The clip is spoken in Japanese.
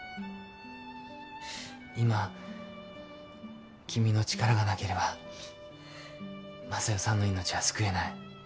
今君の力がなければ昌代さんの命は救えない。